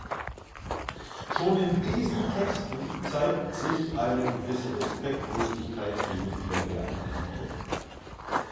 Schon in diesen Texten zeigt sich eine gewisse Respektlosigkeit gegenüber der Antike.